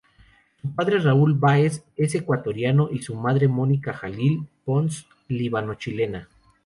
Su padre, Raúl Báez es ecuatoriano y su madre Mónica Jalil Pons líbano-chilena.